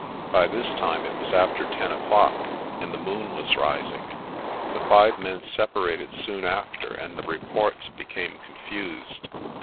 By this time it was after ten o'clock, and the moon was rising. The five men separated soon after and the reports became confused.